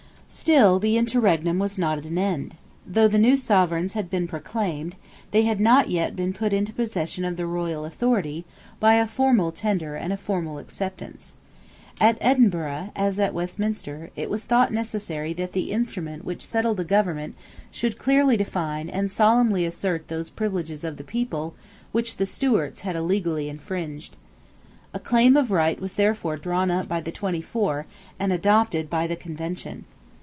Still the interregnum was not at an end. Though the new Sovereigns had been proclaimed, they had not yet been put into possession of the royal authority by a formal tender and a formal acceptance. At Edinburgh, as at Westminster, it was thought necessary that the instrument which settled the government should clearly define and solemnly assert those privileges of the people which the Stuarts had illegally infringed. A Claim of Right was therefore drawn up by the Twenty Four, and adopted by the Convention.